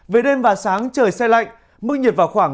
về đêm và sáng trời xe lạnh